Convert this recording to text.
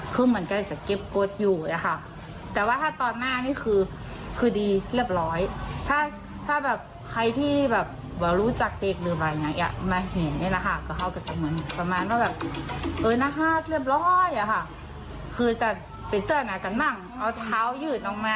เก็บโกรธอยู่